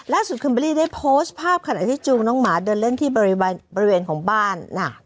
คิมเบอร์รี่ได้โพสต์ภาพขณะที่จูงน้องหมาเดินเล่นที่บริเวณของบ้าน